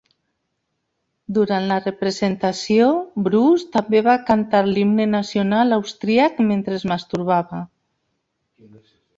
Durant la representació, Brus també va cantar l'himne nacional austríac mentre es masturbava.